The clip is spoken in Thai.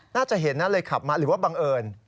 น่าจะเห็นนะเลยขับมาหรือว่าบังเอิญ